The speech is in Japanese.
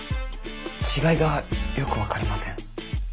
違いがよく分かりません。